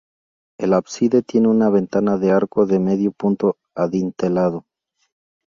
El ábside tiene una ventana de arco de medio punto adintelado.